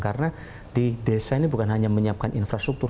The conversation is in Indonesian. karena di desa ini bukan hanya menyiapkan infrastruktur